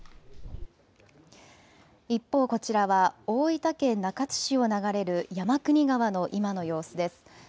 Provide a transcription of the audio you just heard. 一方、こちらは大分県中津市を流れる山国川の今の様子です。